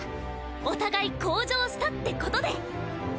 お互い向上したって事で！